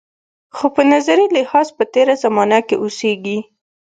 خو په نظري لحاظ په تېره زمانه کې اوسېږي.